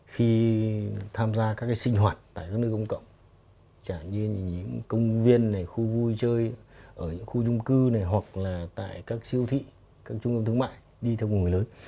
khi tham gia các cái sinh hoạt tại các nơi công cộng chẳng như những công viên này khu vui chơi ở những khu trung cư này hoặc là tại các siêu thị các trung tâm thương mại đi theo cùng người lớn